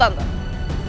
tante andis jangan